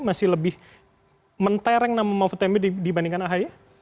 masih lebih mentereng nama mahfud md dibandingkan ahy